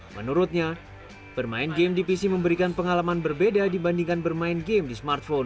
menurutnya bermain game di pc memberikan pengalaman berbeda dibandingkan bermain game di smartphone